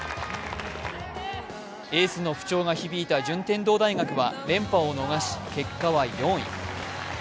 エースの不調が響いた順天堂大学は連覇を逃し結果は４位。